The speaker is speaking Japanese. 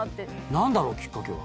何だろう？きっかけは。